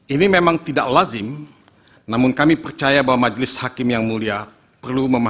ini memang tidak lazim namun kami percaya bahwa majelis hakim yang mulia perlu memahami